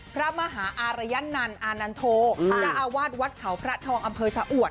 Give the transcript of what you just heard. พระมหาอารยนันต์อานันโทเจ้าอาวาสวัดเขาพระทองอำเภอชะอวด